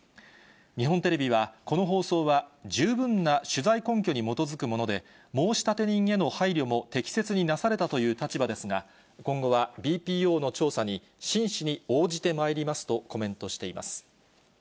日本テレビは、この放送は十分な取材根拠に基づくもので、申立人への配慮も適切になされたという立場ですが、今後はＢＰＯの調査に真摯に応じてまいりますとコメントしています。